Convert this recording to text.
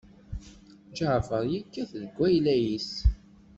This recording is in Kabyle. Ǧaɛfeṛ yekkat deg ayla-is.